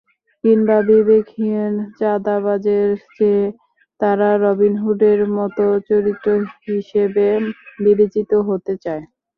কিংবা বিবেকহীন চাঁদাবাজের চেয়ে তারা রবিন হুডের মতো চরিত্র হিসেবে বিবেচিত হতে চায়।